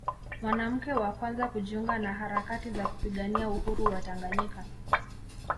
mwanamke wa kwanza kujiunga na harakati za kupigania Uhuru wa Tanganyika